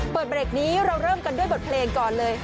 เปิดเบรกนี้เราเริ่มกันด้วยบทเพลงก่อนเลย